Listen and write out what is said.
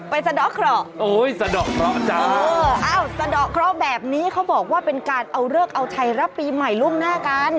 สะดอกเคราะห์โอ้ยสะดอกเคราะห์จ้าเอออ้าวสะดอกเคราะห์แบบนี้เขาบอกว่าเป็นการเอาเลิกเอาชัยรับปีใหม่ล่วงหน้ากัน